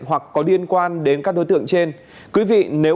hoặc có liên quan đến các đối tượng trên